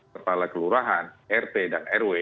kepala kelurahan rt dan rw